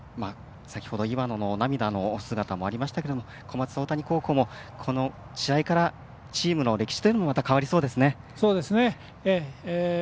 先ほど岩野の涙の姿もありましたが小松大谷高校も試合からチームの歴史というのも変わりましたね。